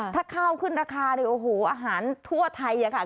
ถ้าข้าวขึ้นราคาในอาหารทั่วไทยก็ขึ้นราคา